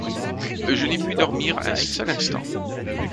Je n’ai pu dormir un seul instant.